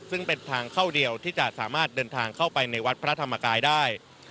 ซึ่งเป็นทางเข้าเดียวที่จะสามารถเดินทางเข้าไปในวัดพระธรรมกายได้